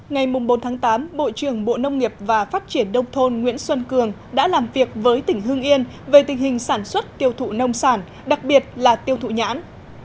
ngày bốn tháng tám bộ trưởng bộ nông nghiệp và phát triển đông thôn nguyễn xuân cường đã làm việc với tỉnh hưng yên về tình hình sản xuất tiêu thụ nông sản đặc biệt là tiêu thụ nhãn